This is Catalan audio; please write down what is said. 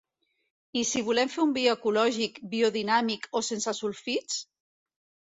I si volem fer un vi ecològic, biodinàmic o sense sulfits?